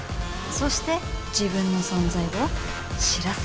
そして自分の存在を知らせる。